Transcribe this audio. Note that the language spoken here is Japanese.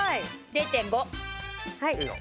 ０．５。